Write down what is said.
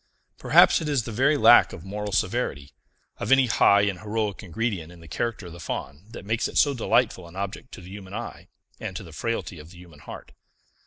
Perhaps it is the very lack of moral severity, of any high and heroic ingredient in the character of the Faun, that makes it so delightful an object to the human eye and to the frailty of the human heart.